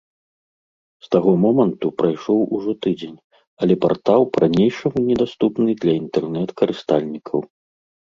З таго моманту прайшоў ужо тыдзень, але партал па-ранейшаму недаступны для інтэрнэт-карыстальнікаў.